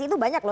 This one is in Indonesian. itu banyak loh